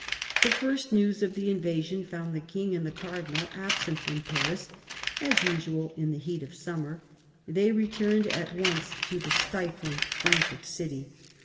The first news of the invasion found the King and the Cardinal absent from Paris as usual in the heat of summer. They returned at once to the stifling, frantic city.